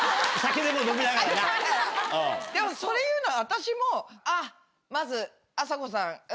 でもそれ言うなら私もあっまずあさこさん。